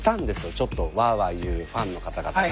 ちょっとワーワー言うファンの方々が。